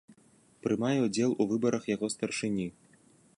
Прымае ўдзел у выбарах яго старшыні.